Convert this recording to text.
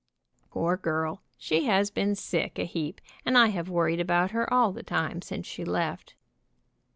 Poor girl, she has been sick a heap, and I have worried about her all the time since she left."